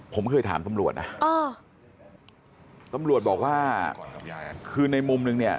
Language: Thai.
ผมเคยถามตำรวจนะตำรวจบอกว่าคือในมุมนึงเนี่ย